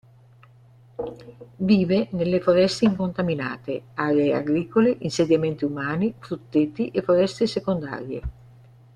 Vive nelle foreste incontaminate, aree agricole, insediamenti umani, frutteti e foreste secondarie.